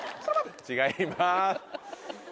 違います。